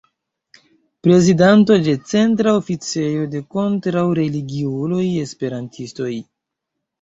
Prezidanto de Centra oficejo de kontraŭreligiuloj-Esperantistoj.